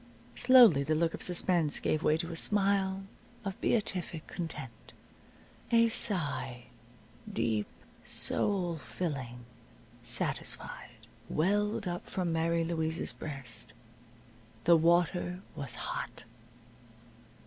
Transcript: Slowly the look of suspense gave way to a smile of beatific content. A sigh deep, soul filling, satisfied welled up from Mary Louise's breast. The water was hot.